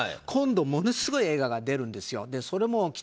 今度ものすごい映画が出るんですよ。